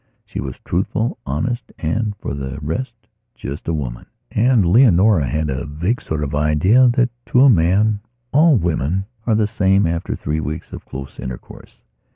She was truthful, honest and, for the rest, just a woman. And Leonora had a vague sort of idea that, to a man, all women are the same after three weeks of close intercourse.